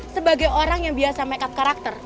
sebagai orang yang biasa make up karakter